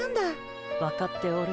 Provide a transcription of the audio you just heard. わかっておる。